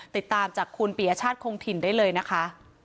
ติดตามจากคุณปียชาติคงถิ่นได้เลยนะคะ